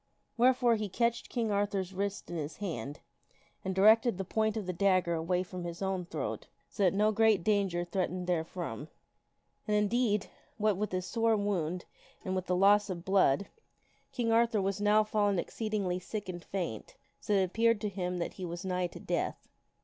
Wherefore he catched King Arthur's wrist in his hand and directed the point of the dag ger away from his own throat so that no great danger threatened there from. And, indeed, what with his sore wound and with the loss of blood, King Arthur was now fallen exceedingly sick and faint, so that it appeared to him that he was nigh to death.